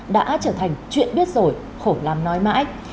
đã trở thành chuyện biết rồi khổ làm nói mãi